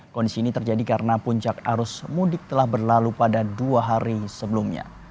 kondisi ini terjadi karena puncak arus mudik telah berlalu pada dua hari sebelumnya